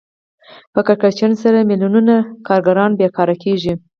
په کړکېچونو سره میلیونونو کارګران بېکاره کېږي